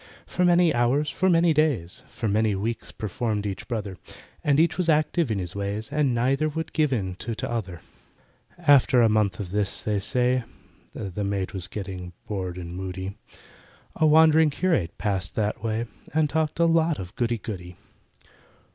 For many hours—for many days— For many weeks performed each brother, For each was active in his ways, And neither would give in to t'other. After a month of this, they say (The maid was getting bored and moody) A wandering curate passed that way And talked a lot of goody goody.